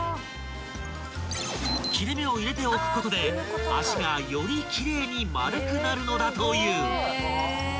［切れ目を入れておくことで足がより奇麗に丸くなるのだという］